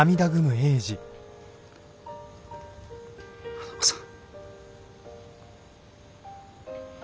花子さん。